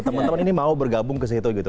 teman teman ini mau bergabung ke situ gitu